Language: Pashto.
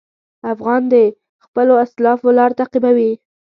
افغان د خپلو اسلافو لار تعقیبوي.